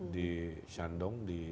di shandong di